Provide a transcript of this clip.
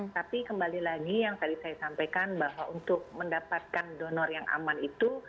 tapi kembali lagi yang tadi saya sampaikan bahwa untuk mendapatkan donor yang aman itu